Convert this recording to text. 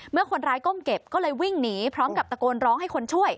เมื่อคนร้ายก้มเก็บก็เลยวิ่งหนีพร้อมกับตะโกนร้องให้คนช่วย